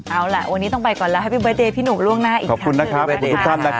เอาล่ะวันนี้ต้องไปก่อนแล้วพี่หนูล่วงหน้าอีกครั้งขอบคุณนะครับขอบคุณทุกท่านนะครับ